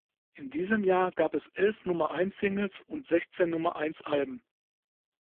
In diesem Jahr gab es elf Nummer-eins-Singles und sechzehn Nummer-eins-Alben.